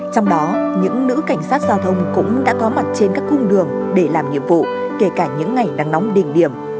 trong đó những nữ cảnh sát giao thông cũng đã có mặt trên các cung đường để làm nhiệm vụ kể cả những ngày nắng nóng đỉnh điểm